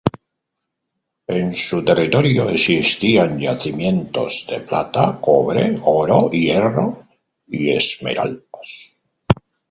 En su territorio existían yacimientos de plata, cobre, oro, hierro y esmeraldas.